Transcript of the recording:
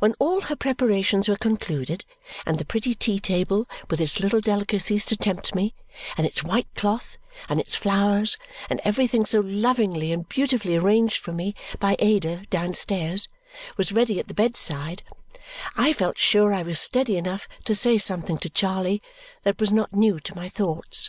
When all her preparations were concluded and the pretty tea table with its little delicacies to tempt me, and its white cloth, and its flowers, and everything so lovingly and beautifully arranged for me by Ada downstairs, was ready at the bedside, I felt sure I was steady enough to say something to Charley that was not new to my thoughts.